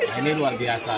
nah ini luar biasa